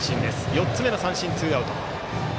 ４つ目の三振、ツーアウト。